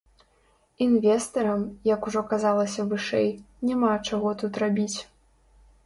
Інвестарам, як ужо казалася вышэй, няма чаго тут рабіць.